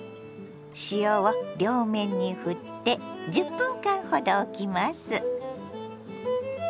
塩を両面にふって１０分間ほどおきます。